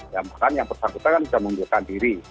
yang persangkutan kan sudah mengundurkan diri